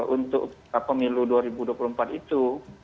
untuk pemilu dua ribu dua puluh empat itu